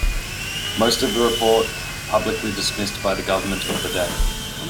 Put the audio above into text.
Most of the report was publicly dismissed by the government of the day.